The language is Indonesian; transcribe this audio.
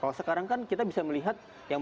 kalau sekarang kan kita bisa melihat yang